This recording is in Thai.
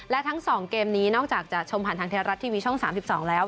และทั้ง๒เกมนี้นอกจากจะชมผ่านทางไทยรัฐทีวีช่อง๓๒แล้ว